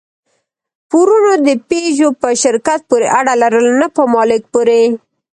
پورونو د پيژو په شرکت پورې اړه لرله، نه په مالک پورې.